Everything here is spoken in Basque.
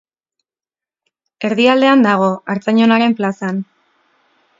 Erdialdean dago, Artzain Onaren plazan.